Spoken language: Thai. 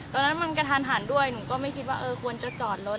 ตอนนั้นมันกระทันหันด้วยหนูก็ไม่คิดว่าเออควรจะจอดรถ